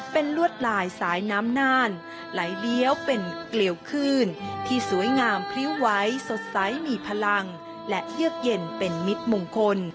เป็นลวดลายสายน้ำน่านไหลเลี้ยวเป็นเกลียวขึ้นที่สวยงามพริ้วไหวสดใสมีพลังและเยือกเย็นเป็นมิตรมงคล